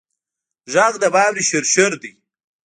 غږ د واورې شرشر دی